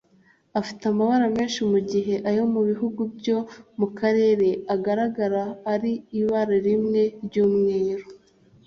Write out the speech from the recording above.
Afite amabara menshi mu gihe ayo mu bihugu byo mu karere agaragara ari ibara rimwe ry’umweru